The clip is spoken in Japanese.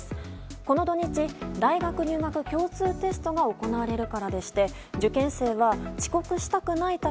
この土日、大学入学共通テストが行われるからでして受験生は遅刻したくないため